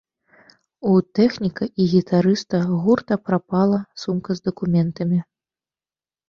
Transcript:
У тэхніка і гітарыста гурта прапала сумка з дакументамі.